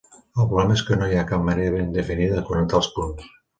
El problema és que no hi ha cap manera ben definida de connectar els punts.